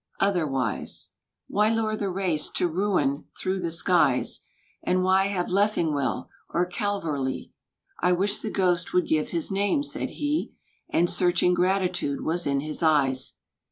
Otherwise, Why lure the race to ruin through the skies ? And why have Leffingwell, or Calverly?" — "I wish the ghost would give his name," said he; And searching gratitude was in his eyes.